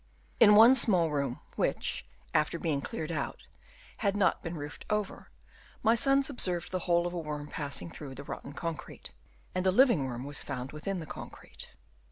In one small room, which, after being cleared out, had not been roofed over, my sons observed the hole of a worm passing through the rotten concrete, and a living worm was found within the concrete.